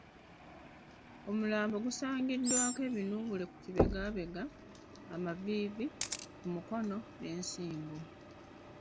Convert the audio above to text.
Omulambo gusaangiddwako ebinuubule ku kibegabega, amaviivi, ku mikono n'ensingo.